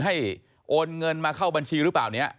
ให้โอนเงินมาเข้าบัญชีหรือเปล่า